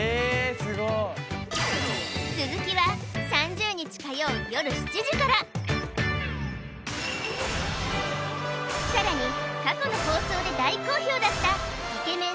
すごい続きは３０日火曜よる７時から更に過去の放送で大好評だったイケメン